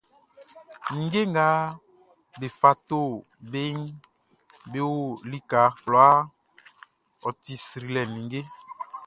Ninnge nga be fa to beʼn be o lika kwlaa, ɔ ti srilɛ like!